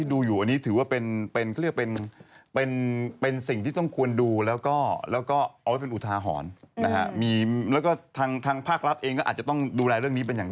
โดดเหมือนกันไหมไม่เดี๋ยวจะเล่าให้ฟัง